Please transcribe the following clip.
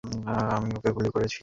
আমি তাকে গুলি করেছি।